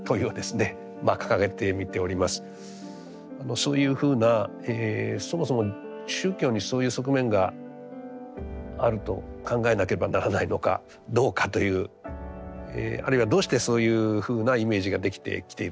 そういうふうなそもそも宗教にそういう側面があると考えなければならないのかどうかというあるいはどうしてそういうふうなイメージができてきているのかというふうな